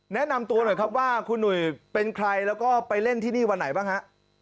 แนะนำตัวหน่อยครับว่าคุณหนุ่ยเป็นใครแล้วก็ไปเล่นที่นี่วันไหนบ้างฮะ